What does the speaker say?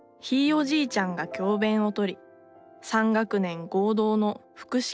おじいちゃんが教べんをとり３学年合同の複式